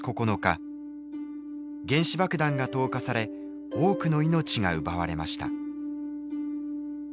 原子爆弾が投下され多くの命が奪われました。